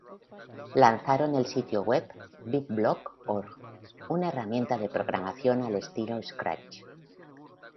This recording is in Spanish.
Lanzaron el sitio web Bitbloq.org, una herramienta de programación al estilo de Scratch.